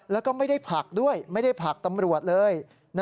แล้วก็ไม่ได้ผลักด้วยไม่ได้ผลักตำรวจเลย